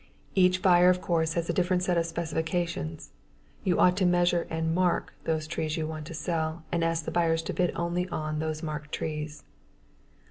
Each buyer of course has a different set of specifications. You ought to measure and mark those trees you want to sell and ask the buyers to bid only on those marked trees.